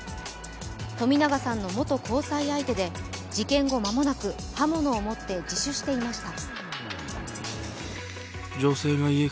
冨永さんの元交際相手で事件後、間もなく刃物を持って自首していました。